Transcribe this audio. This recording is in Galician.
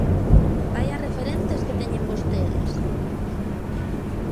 ¡Vaia referentes que teñen vostedes!